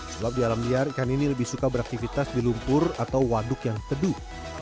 sebab di alam liar ikan ini lebih suka beraktivitas di lumpur atau waduk yang teduh